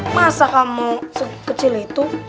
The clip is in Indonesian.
masa kamu sekecil itu